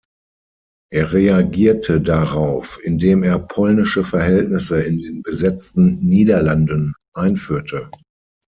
Er reagierte darauf, indem er „polnische Verhältnisse“ in den besetzten Niederlanden einführte.